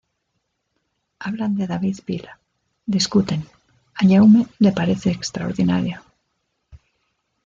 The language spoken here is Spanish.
Hablan de David Vila, discuten, a Jaume le parece extraordinario.